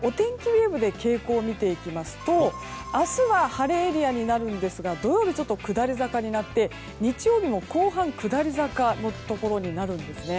ウェーブで傾向を見ていきますと明日は晴れエリアになるんですが土曜日、ちょっと下り坂になって日曜日も後半下り坂になるんですね。